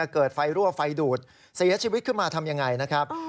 เกิดไฟรั่วไฟดูดเสียชีวิตขึ้นมาทำยังไงนะครับ